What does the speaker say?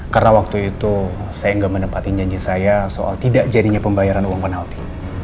karena waktu itu saya nggak menempatin janji saya soal tidak jadinya pembayaran uang penalti